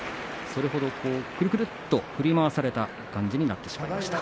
それほど、くるくると振り回された感じになりました。